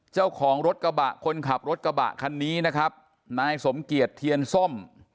เจ้าของรถกระบะคนขับรถกระบะคันนี้นะครับนายสมเกียจเทียนส้ม